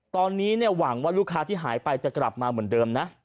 ตอนนี้หวังว่าลูกค้าที่หายไปจะกลับมาเหมือนเดิมนะ